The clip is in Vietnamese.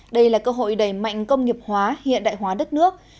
đây là cơ hội đẩy mạnh công nghiệp hóa hiện đại hóa đất nước